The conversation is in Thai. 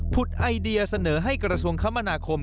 ไอเดียเสนอให้กระทรวงคมนาคม